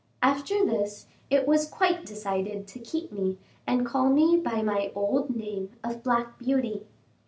After this it was quite decided to keep me and call me by my old name of Black Beauty.